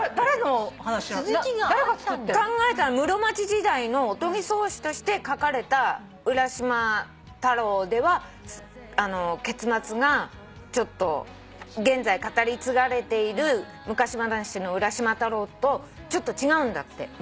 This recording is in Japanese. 考えたら室町時代の御伽草子として書かれた『浦島太郎』では結末が現在語り継がれている昔話の『浦島太郎』とちょっと違うんだって。